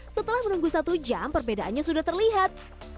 setelah menunggu satu jam perbedaannya sudah terlihat